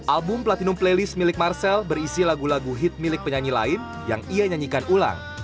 album platinum playlist milik marcel berisi lagu lagu hit milik penyanyi lain yang ia nyanyikan ulang